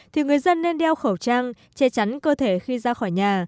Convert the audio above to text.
thì người dân nên đeo khẩu trang che chắn cơ thể khi ra khỏi nhà